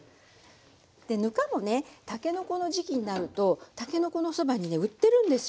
ぬかもねたけのこの時期になるとたけのこのそばにね売ってるんですよ。